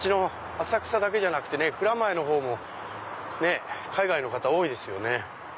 浅草だけじゃなくて蔵前の方も海外の方多いですよね。